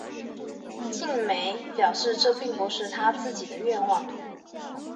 晋美表示这并不是他自己的愿望。